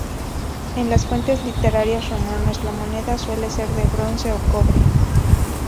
En las fuentes literarias romanas, la moneda suele ser de bronce o cobre.